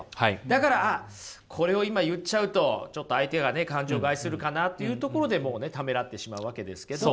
だからあっこれを今言っちゃうとちょっと相手が感情を害するかなというところでもうねためらってしまうわけですけど。